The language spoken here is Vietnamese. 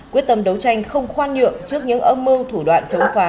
quyết tâm đấu tranh không khoan nhượng trước những âm mưu thủ đoạn chống phá